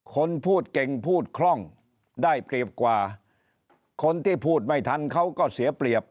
คนพูดเก่งพูดคล่องได้เปรียบกว่าคนที่พูดไม่ทันเขาก็เสียเปรียบ